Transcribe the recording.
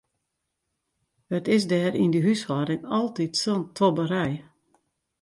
It is dêr yn dy húshâlding altyd sa'n tobberij.